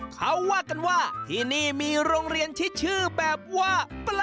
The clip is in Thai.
เขาว่ากันว่าที่นี่มีโรงเรียนที่ชื่อแบบว่าปลา